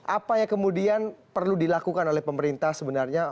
apa yang kemudian perlu dilakukan oleh pemerintah sebenarnya